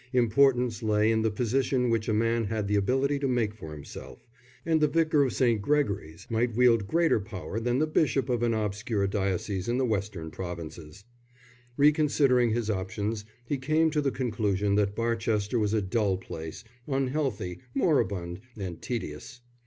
Importance lay in the position which a man had the ability to make for himself, and the Vicar of St. Gregory's might wield greater power than the bishop of an obscure diocese in the Western provinces. Reconsidering his opinions, he came to the conclusion that Barchester was a dull place, unhealthy, moribund, and tedious.